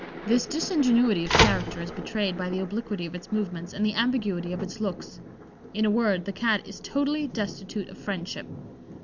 This disingenuity of character is betrayed by the obliquity of its movements and the ambiguity of its looks. In a word, the Cat is totally destitute of friendship."